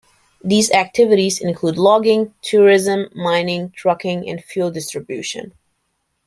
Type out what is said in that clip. These activities include logging, tourism, mining, trucking, and fuel distribution.